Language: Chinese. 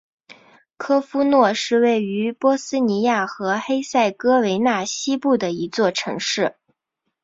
利夫诺是位于波斯尼亚和黑塞哥维纳西部的一座城市。